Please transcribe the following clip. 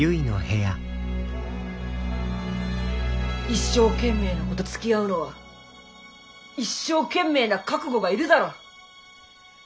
一生懸命の子とつきあうのは一生懸命な覚悟がいるだろ。